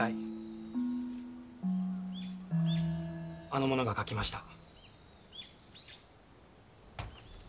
あの者が描きました。